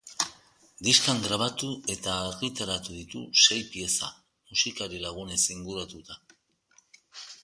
Diskan grabatu eta argitaratu ditu sei pieza, musikari lagunez inguratuta.